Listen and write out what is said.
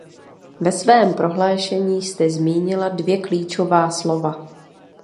Ve svém prohlášení jste zmínila dvě klíčová slova.